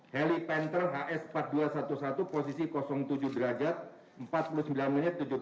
heli panther hs empat ribu dua ratus sebelas posisi tujuh derajat empat puluh sembilan menit